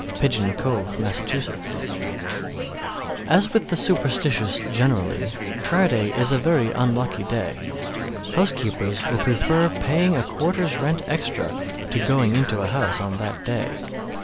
Pigeon Cove, Mass. 617. As with the superstitious generally, Friday is a very unlucky day. Housekeepers will prefer paying a quarter's rent extra to going into a house on that day.